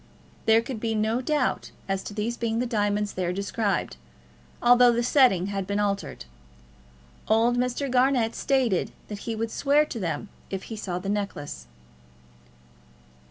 There could be no doubt as to these being the diamonds there described, although the setting had been altered. Old Mr. Garnett stated that he would swear to them if he saw the necklace.